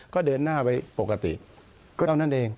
ก็เดินหน้าไปปกติก็เท่านั้นเอง